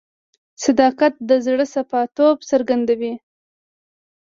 صداقت د زړه صفا توب څرګندوي.